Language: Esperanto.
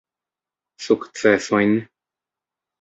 Sukcesojn?